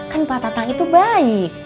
kan pak tatang itu baik